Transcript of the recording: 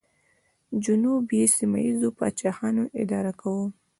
جنوب یې سیمه ییزو پاچاهانو اداره کاوه